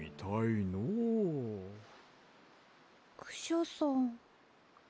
クシャさん。